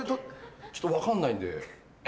ちょっと分かんないんで。